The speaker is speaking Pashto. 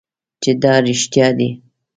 چې دا رښتیا دي .